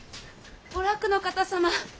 お楽の方様。